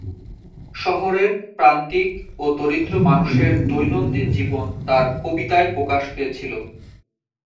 শহরের প্রান্তিক ও দরিদ্র মানুষের দৈনন্দিন জীবন তাঁর কবিতায় প্রকাশ পেয়েছিল।